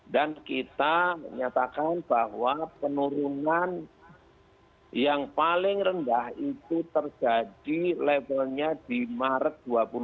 dan kita menyatakan bahwa penurunan yang paling rendah itu terjadi levelnya di maret dua puluh empat